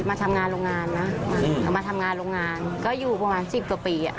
มาทำงานโรงงานนะมาทำงานโรงงานก็อยู่ประมาณสิบกว่าปี